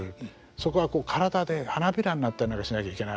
そこは体で花びらになったりなんかしなきゃいけないわけなんです。